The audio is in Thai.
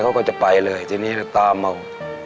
เขาก็จะไปเลยทีนี้ตามเอา